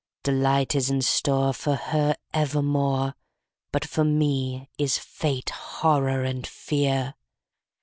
'Delight is in store For her evermore; But for me is fate, horror, and fear.'